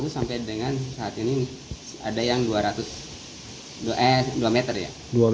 satu ratus lima puluh sampai dengan saat ini ada yang dua ratus eh dua meter ya